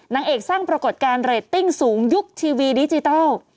นางเอกสร้างปรากฏการณ์เรตติ้งสูงยุคทีวีดิจิทัล